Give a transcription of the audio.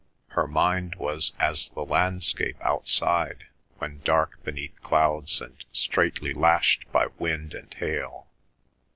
Her mind was as the landscape outside when dark beneath clouds and straitly lashed by wind and hail.